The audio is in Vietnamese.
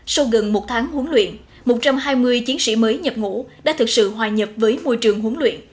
sau gần một tháng huấn luyện một trăm hai mươi chiến sĩ mới nhập ngũ đã thực sự hòa nhập với môi trường huấn luyện